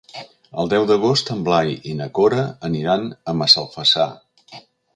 El deu d'agost en Blai i na Cora aniran a Massalfassar.